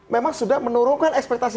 memang sudah menurunkan ekspektasi